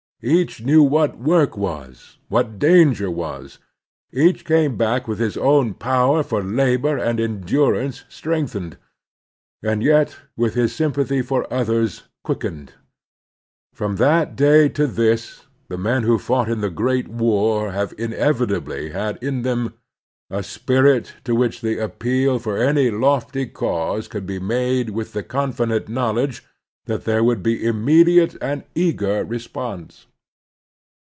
Each knew what work was, what danger was. Each came back with his own power for labor and endurance strengthened, and yet with his sym pathy for others quickened. From that day to this the men who fought in the great war have inevitably had in them a spirit to which appeal for any lofty cause could be made with the con fident knowledge that there would be immediate and eager response.